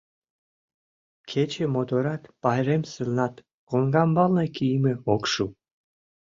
Кече моторат, пайрем сылнат, коҥгамбалне кийыме ок шу...